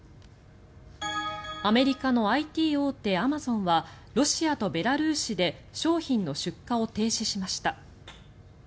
アメリカのＩＴ大手アマゾンはロシアとベラルーシで商品の出荷を停止しました。